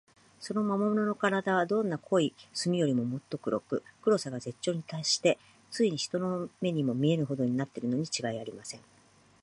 その魔物のからだは、どんな濃い墨よりも、もっと黒く、黒さが絶頂にたっして、ついに人の目にも見えぬほどになっているのにちがいありません。